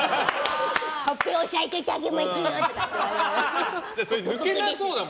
ほっぺ押さえといてあげますかって。